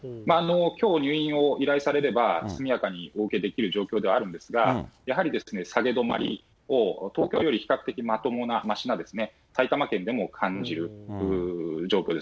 きょう入院を依頼されれば、速やかにお受けできる状況ではあるんですが、やはり下げ止まりを東京より比較的まともな埼玉県でも感じる状況です。